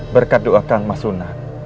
berkat doakan mas sunan